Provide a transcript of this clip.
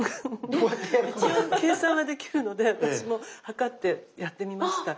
一応計算はできるので私も計ってやってみました。